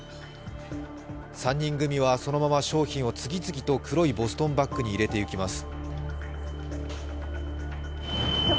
３人組はそのまま商品を次々と黒いボストンバッグに入れていきます。